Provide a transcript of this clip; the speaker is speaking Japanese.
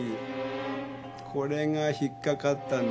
これが引っ掛かったんですねえ。